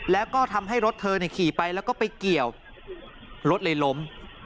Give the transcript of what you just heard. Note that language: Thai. แล้วก็ทำให้รถเธอขี่ไปแล้วก็ไปเกี่ยวรถเลยล้ม